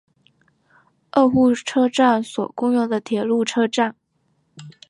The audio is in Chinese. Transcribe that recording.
二户车站所共用的铁路车站。